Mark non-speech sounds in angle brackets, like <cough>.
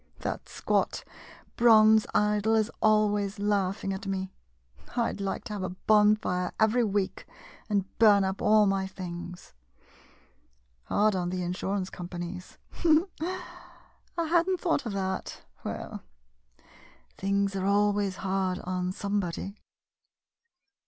That squat bronze idol is always laughing at me. I 'd like to have a bonfire every week and burn up all my things. Hard on the in surance companies — <laughs> I had n't thought of that. Well — things are always hard on somebody.